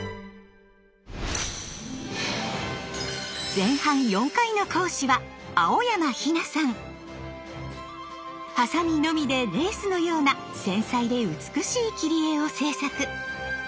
前半４回の講師はハサミのみでレースのような繊細で美しい切り絵を制作。